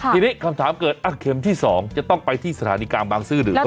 ทีนี้คำถามเกิดเข็มที่๒จะต้องไปที่สถานีกลางบางซื่อหรือไม่